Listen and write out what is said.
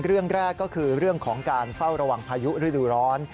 เรื่องแรกก็คือเรื่องของการเฝ้าระวังพายุฤดูร้อน